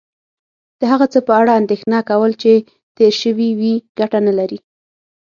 د هغه څه په اړه اندېښنه کول چې تیر شوي وي کټه نه لرې